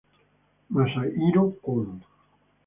Masahiro Kono